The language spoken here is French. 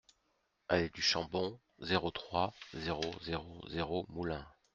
Allée du Chambon, zéro trois, zéro zéro zéro Moulins